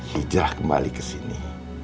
hijrah kembali kesini